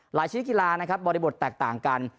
หลายชนิดกีฬาบริบทแตกต่างกัน